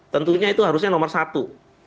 tentunya itu harusnya nomor satu